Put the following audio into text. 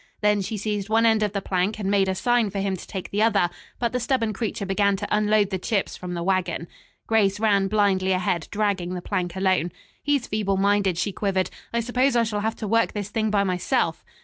Then she seized one end of the plank and made a sign for him to take the other; but the stubborn creature began to unload the chips from the wagon. Grace ran blindly ahead, dragging the plank alone. "He's feeble minded," she quivered. "I suppose I shall have to work this thing by myself."